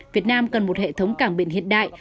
việt nam cần một hệ thống cảng biển hiện đại